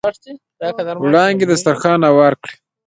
وړانګې دسترخوان هوار کړ.